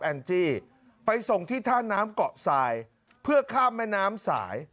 จี้ไปส่งที่ท่าน้ำเกาะทรายเพื่อข้ามแม่น้ำสาย